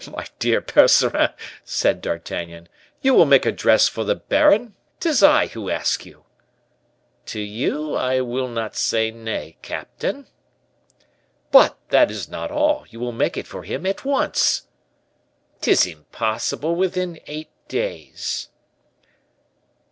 "My dear Percerin," said D'Artagnan, "you will make a dress for the baron. 'Tis I who ask you." "To you I will not say nay, captain." "But that is not all; you will make it for him at once." "'Tis impossible within eight days."